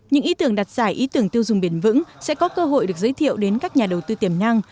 những ý tưởng đặt giải ý tưởng tiêu dùng bền vững sẽ có cơ hội được giới thiệu đến các nhà đầu tư tiềm năng